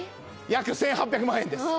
約１８００万円です。